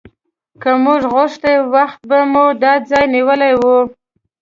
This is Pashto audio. که موږ غوښتی وخته به مو دا ځای نیولی و.